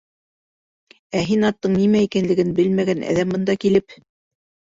Ә һин аттың нимә икәнлеген белмәгән әҙәм бында килеп...